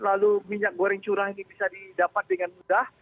lalu minyak goreng curah ini bisa didapat dengan mudah